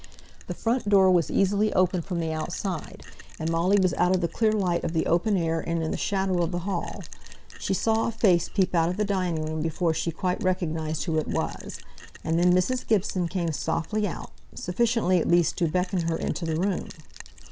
The front door was easily opened from the outside, and Molly was out of the clear light of the open air and in the shadow of the hall, when she saw a face peep out of the dining room before she quite recognized whose it was; and then Mrs. Gibson came softly out, sufficiently at least to beckon her into the room.